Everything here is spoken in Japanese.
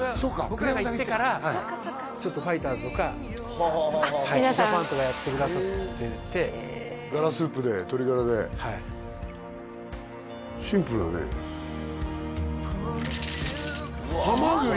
僕らが行ってからちょっとファイターズとかＪＡＰＡＮとかやってくださっててガラスープで鶏ガラではいシンプルだねはまぐり！